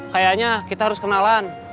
kayaknya kita harus kenalan